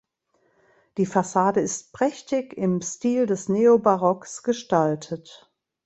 Die Fassade ist prächtig im Stil des Neobarocks gestaltet.